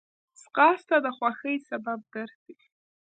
ځغاسته د خوښۍ سبب ګرځي